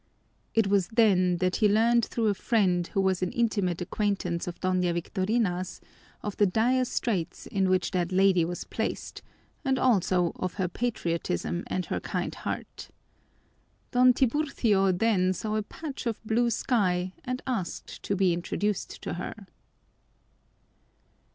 It was then that he learned through a friend, who was an intimate acquaintance of Doña Victorina's, of the dire straits in which that lady was placed and also of her patriotism and her kind heart. Don Tiburcio then saw a patch of blue sky and asked to be introduced to her.